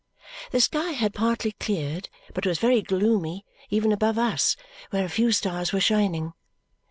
The sky had partly cleared, but was very gloomy even above us, where a few stars were shining.